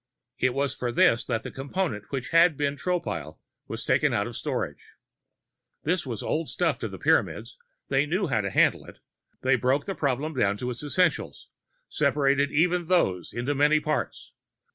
It was for this that the Component which had once been Tropile was taken out of storage. This was all old stuff to the Pyramids; they knew how to handle it. They broke the problem down to its essentials, separated even those into many parts.